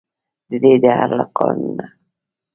ددې دهر له قانونه.